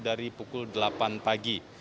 dari pukul delapan pagi